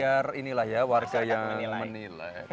ya nanti biar warga yang menilai